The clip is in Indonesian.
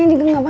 ini juga gapapa